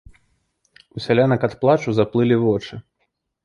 У сялянак ад плачу заплылі вочы.